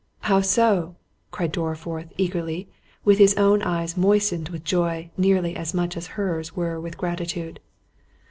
"How so?" cried Dorriforth eagerly, with his own eyes moistened with joy, nearly as much as her's were with gratitude.